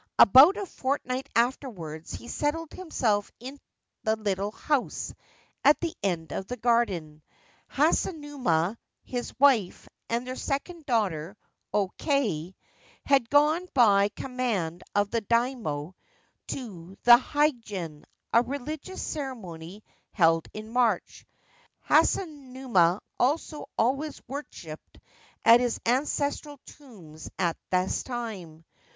About a fortnight afterwards he settled himself in the little house at the end of the garden. Hasunuma, his wife, and their second daughter, O Kei, had gone, by command of the Daimio, to the Higan, a religious ceremony held in March ; Hasunuma also always worshipped at his ancestral tombs at this time.